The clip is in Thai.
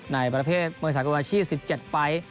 ในประเภทมวยสากลอาชีพ๑๗ไฟล์